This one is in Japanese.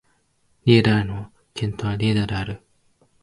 リェイダ県の県都はリェイダである